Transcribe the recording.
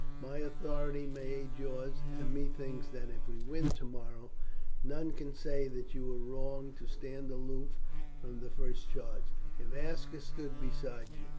My authority may aid yours, and methinks that if we win tomorrow, none can say that you were wrong to stand aloof from the first charge, if Aska stood beside you."